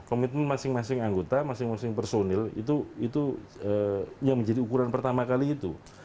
komitmen masing masing anggota masing masing personil itu yang menjadi ukuran pertama kali itu